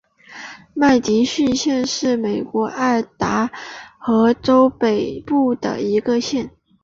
麦迪逊县是美国爱达荷州东部的一个县。